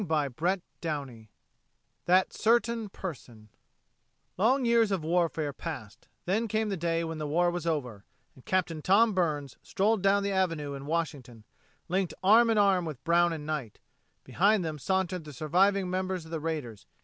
CHAPTER TWENTY ONE THAT CERTAIN PERSON Long years of warfare passed; then came the day when war was over, and Captain Tom Burns strolled down the avenue in Washington, linked arm in arm with Brown and Knight. Behind them sauntered the surviving members of the raiders.